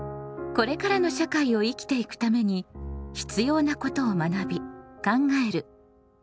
これからの社会を生きていくために必要なことを学び考える「公共」。